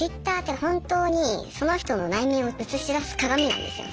本当にその人の内面を映し出す鏡なんですよね。